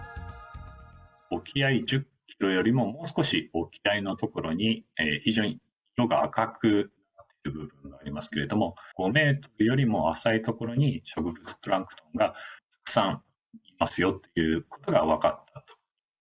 沖合１０キロよりももう少し沖合の所に、非常に赤くなっている部分がありますけど、５メートルよりも浅い所に植物プランクトンがたくさんいますよということが分かったと。